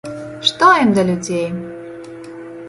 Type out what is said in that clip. Што ім да людзей?